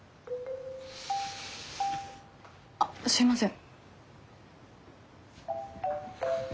あっすいません。